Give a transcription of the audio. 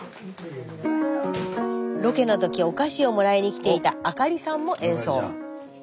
ロケの時お菓子をもらいに来ていた明里さんも演奏。